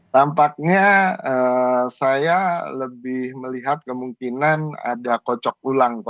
tampaknya saya lebih melihat kemungkinan ada kocok ulang koalisi itu mbak